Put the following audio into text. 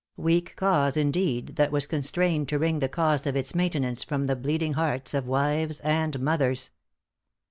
Weak cause, indeed, that was constrained to wring the cost of its maintenance from the bleeding hearts of wives and mothers!